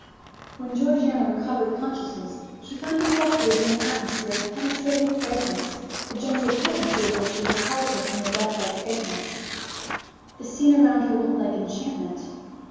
When Georgiana recovered consciousness she found herself breathing an atmosphere of penetrating fragrance, the gentle potency of which had recalled her from her deathlike faintness. The scene around her looked like enchantment.